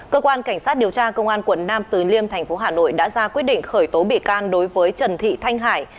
cơ quan cảnh sát điều tra công an quận nam từ liêm thành phố hà nội đã ra quyết định khởi tố bị can đối với trần thị thanh hải